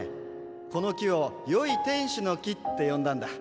この木を「よい天使の木」って呼んだんだ。